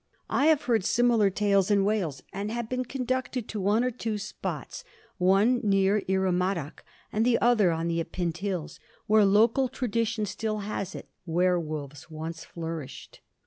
I have heard similar stories in Wales, and have been conducted to one or two spots, one near Iremadac and the other on the Epynt Hills, where, local tradition still has it, werwolves once flourished.